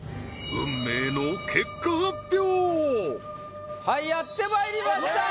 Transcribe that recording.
運命のはいやってまいりました！